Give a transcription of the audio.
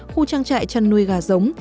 khu trang trại chăn nuôi gà giống